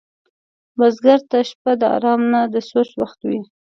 بزګر ته شپه د آرام نه، د سوچ وخت وي